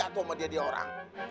gak tau sama dia diorang